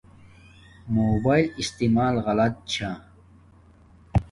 موباݵل استعمال غلط چھا